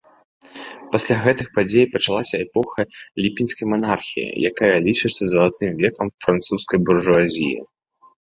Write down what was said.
Пасля гэтых падзей пачалася эпоха ліпеньскай манархіі, якая лічыцца залатым векам французскай буржуазіі.